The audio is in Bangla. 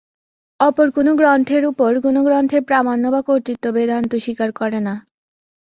অপর কোন গ্রন্থের উপর কোন গ্রন্থের প্রামাণ্য বা কর্তৃত্ব বেদান্ত স্বীকার করে না।